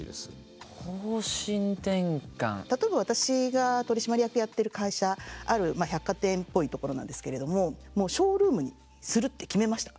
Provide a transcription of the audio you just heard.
例えば私が取締役やってる会社ある百貨店っぽいところなんですけれどもショールームにするって決めました。